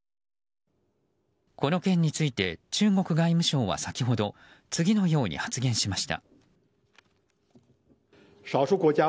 この件について中国外務省は先ほど次のように発言しました。